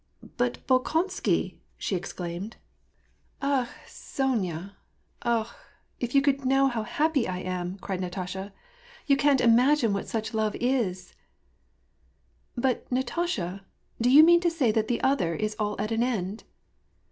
'' But Bolkonsky I " she exclaimed. WAR AND PEACE. 868 "Akh! Sony a — akh ! if you could only know how happy I am !'^ cried Natasha. ^' You can't imacnne what such love is" ^^ But, Natasha^ do you mean to say that t?ie other is all at an end